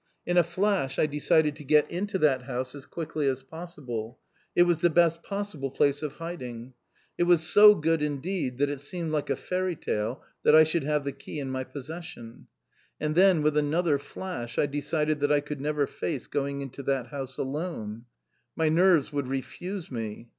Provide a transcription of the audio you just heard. In a flash I decided to get into that house as quickly as possible. It was the best possible place of hiding. It was so good, indeed, that it seemed like a fairy tale that I should have the key in my possession. And then, with another flash, I decided that I could never face going into that house alone. My nerves would refuse me.